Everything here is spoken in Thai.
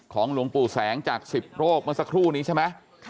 หลวงปู่แสงจาก๑๐โรคเมื่อสักครู่นี้ใช่ไหม